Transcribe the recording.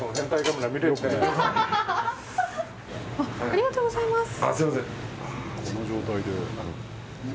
ありがとうございます。